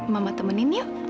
mama temenin yuk